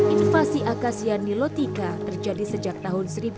invasi akasia nilotika terjadi sejak tahun seribu sembilan ratus sembilan puluh